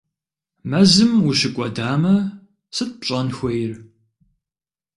Мэзым ущыкӏуэдамэ, сыт пщӏэн хуейр?